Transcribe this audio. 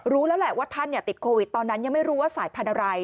รู้แล้วแหละว่าท่านติดโควิดตอนนั้นยังไม่รู้ว่าสายพันธุ์อะไร